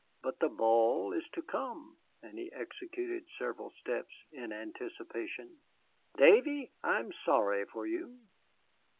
But the ball is to come," and he executed several steps in anticipation. "Davy, I am sorry for you."